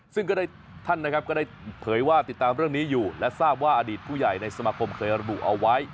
ซึ่งก็ได้ท่านนะครับก็ได้เผยว่าติดตามเรื่องนี้อยู่และทราบว่าอดีตผู้ใหญ่ในสมาคมเคยระบุเอาไว้